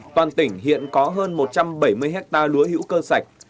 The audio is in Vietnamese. toàn tỉnh hiện có hơn một trăm bảy mươi hectare lúa hữu cơ sạch